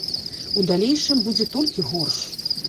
У далейшым будзе толькі горш.